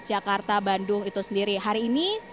jakarta bandung itu sendiri hari ini